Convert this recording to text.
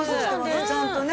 ちゃんとね。